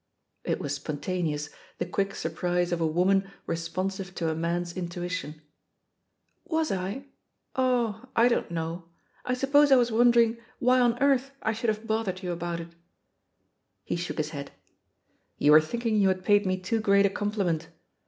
'* It was spontaneous, the quick sur prise of a woman responsive to a man's intuition^ Was I? Oh, I don't know. I suppose I was wondering why on earth I should have bothered you about it I" He shook his head. "You were thinking you had paid me too great a compliment.